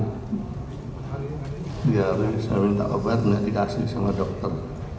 dari hari ini saya minta obat tidak dikasih sama dokter